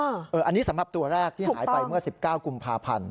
อันนี้สำหรับตัวแรกที่หายไปเมื่อ๑๙กุมภาพันธ์